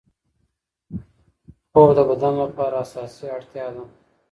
خوب د بدن لپاره اساسي اړتیا ده.